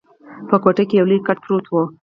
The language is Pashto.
په کوټه کي یو لوی کټ پروت وو.